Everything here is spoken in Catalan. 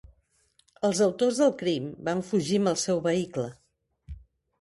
Els autors del crim van fugir amb el seu vehicle.